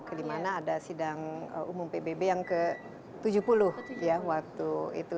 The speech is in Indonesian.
kemana ada sidang umum pbb yang ke tujuh puluh waktu itu